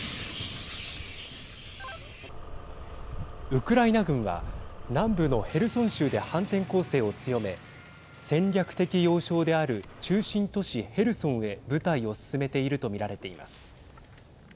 ウクライナ軍は南部のヘルソン州で反転攻勢を強め戦略的要衝である中心都市ヘルソンへ部隊を進めていると見られています。